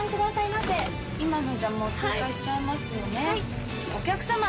ま今のじゃもう通過しちゃいますよね。